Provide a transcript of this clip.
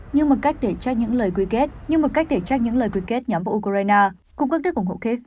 như một cách để trách những lời quy kết nhắm vào ukraine cùng các đức ủng hộ khác